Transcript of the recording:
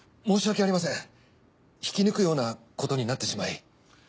申し訳ありません引き抜くようなことになってしまい。